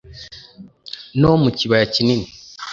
no mu kibaya kinini